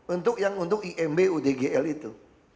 untuk yang untuk imb udgl itu